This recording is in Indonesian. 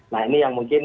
nah ini yang mungkin